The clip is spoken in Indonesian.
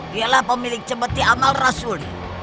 dialah pemilik cemeti amal rasul